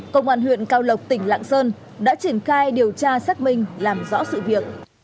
công an huyện cao lộc tỉnh lạng sơn đã triển khai điều tra xác minh làm rõ sự việc